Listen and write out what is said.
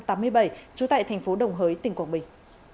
trú tại thành phố đồng hới tỉnh quảng bình